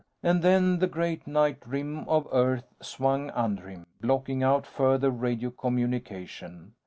And then the great night rim of Earth swung under him, blocking out further radio communication.